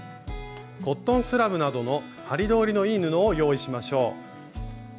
コットンスラブなどの針通りのいい布を用意しましょう。